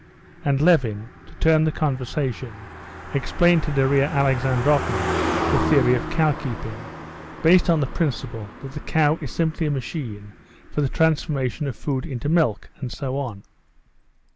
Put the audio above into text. And Levin, to turn the conversation, explained to Darya Alexandrovna the theory of cow keeping, based on the principle that the cow is simply a machine for the transformation of food into milk, and so on.